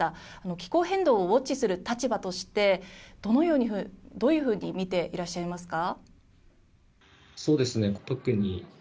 気候変動をウォッチする立場としてどういうふうに見ていらっしゃいますか？